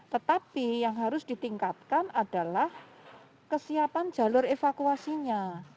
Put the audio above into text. tetapi yang harus ditingkatkan adalah kesiapan jalur evakuasinya